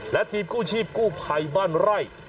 และทีมกู้ชีพกู้ภัยบ้านไร่